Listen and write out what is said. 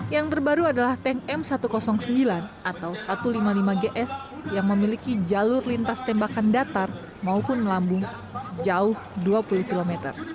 yang terbaru adalah tank m satu ratus sembilan atau satu ratus lima puluh lima gs yang memiliki jalur lintas tembakan datar maupun melambung sejauh dua puluh km